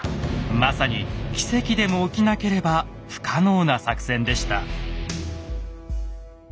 まさに奇跡でも起きなければ不可能な作戦でした。